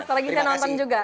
setelah kita nonton juga